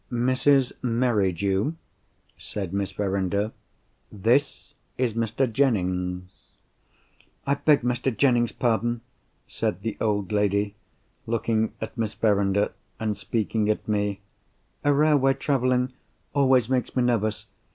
"Mrs. Merridew," said Miss Verinder, "this is Mr. Jennings." "I beg Mr. Jennings's pardon," said the old lady, looking at Miss Verinder, and speaking at me. "Railway travelling always makes me nervous.